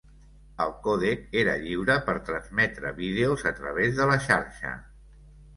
El còdec era lliure per transmetre vídeos a través de la xarxa.